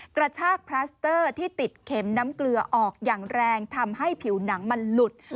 กระชากพลัสเตอร์ที่ติดเข็มน้ำเกลือออกอย่างแรงทำให้ผิวหนังมันหลุด